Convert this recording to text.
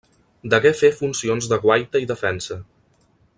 Degué fer funcions de guaita i defensa.